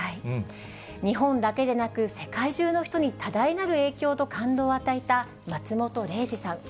日本だけでなく、世界中の人に多大なる影響と感動を与えた松本零士さん。